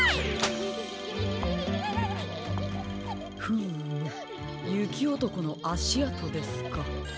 フームゆきおとこのあしあとですか。